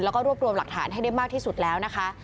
แล้วก็รวบรวมหลักฐานให้ได้มากที่สุดแล้วนะคะ